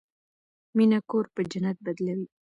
مینه کور په جنت بدلوي.